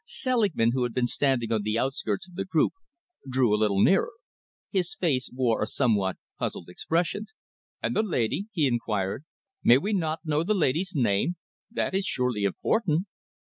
Selingman, who had been standing on the outskirts of the group, drew a little nearer. His face wore a somewhat puzzled expression. "And the lady?" he enquired. "May we not know the lady's name? That is surely important?"